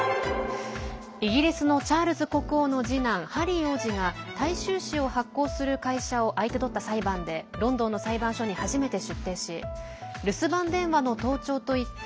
イギリスのチャールズ国王の次男ハリー王子が大衆紙を発行する会社を相手取った裁判でロンドンの裁判所に初めて出廷し留守番電話の盗聴といった